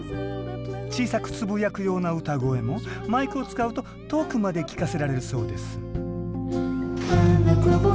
小さくつぶやくような歌声もマイクを使うと遠くまで聞かせられるそうです